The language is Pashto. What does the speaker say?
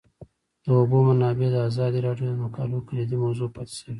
د اوبو منابع د ازادي راډیو د مقالو کلیدي موضوع پاتې شوی.